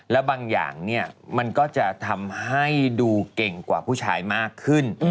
แล้วบางอย่างเนี่ยมันก็จะทำให้ดูเก่งกว่าผู้ชายมากขึ้น